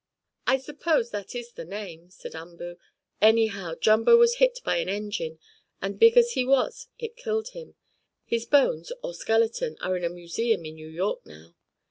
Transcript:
"I suppose that is the name," said Umboo. "Anyhow, Jumbo was hit by an engine, and, big as he was, it killed him. His bones, or skeleton, are in a museum in New York now."